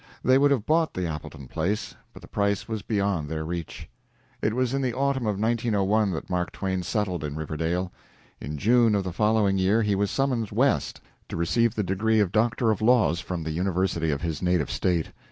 They would have bought the Appleton place, but the price was beyond their reach. It was in the autumn of 1901 that Mark Twain settled in Riverdale. In June of the following year he was summoned West to receive the degree of LL.D. from the university of his native state.